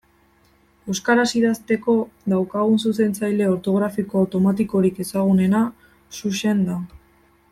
Euskaraz idazteko daukagun zuzentzaile ortografiko automatikorik ezagunena Xuxen da.